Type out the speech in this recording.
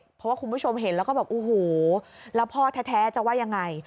เพราะว่าคุณผู้ชมเห็นแล้วก็แบบโอ้โหแล้วพ่อแท้จะว่ายังไง